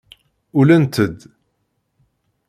Ullent-d.